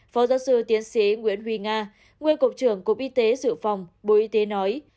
phó giáo sư tiến sĩ nguyễn huy nga nguyên cục trưởng cục y tế dự phòng bộ y tế nói